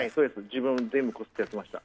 全部こすってやっていました。